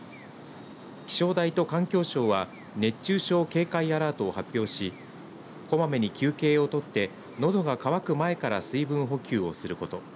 気象台と環境省は熱中症警戒アラートを発表しこまめに休憩を取ってのどが乾く前から水分補給をすること。